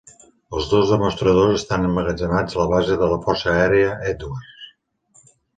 Els dos demostradors estan emmagatzemats a la Base de la Força Aèria Edwards.